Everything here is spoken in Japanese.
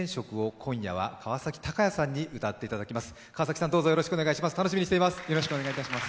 今夜はどうぞよろしくお願いします。